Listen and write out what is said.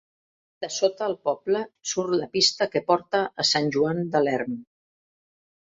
De sota el poble surt la pista que porta a Sant Joan de l'Erm.